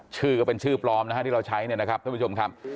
ชื่อก็เป็นชื่อปลอมที่เราใช้ท่านผู้ชมครับ